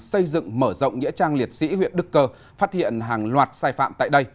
xây dựng mở rộng nghĩa trang liệt sĩ huyện đức cơ phát hiện hàng loạt sai phạm tại đây